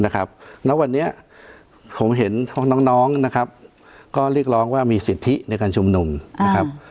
ณวันนี้ผมเห็นน้องนะครับก็เรียกร้องว่ามีสิทธิในการชุมนุมนะครับ